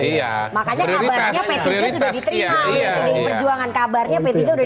pdi perjuangan sudah diterima pdi perjuangan kabarnya p tiga sudah diterima